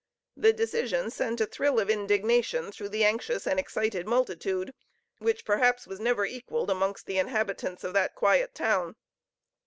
The decision sent a thrill of indignation through the anxious and excited multitude, which perhaps, was never equalled amongst the inhabitants of that quiet town.